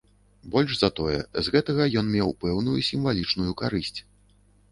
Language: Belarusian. Больш за тое, з гэтага ён меў пэўную сімвалічную карысць.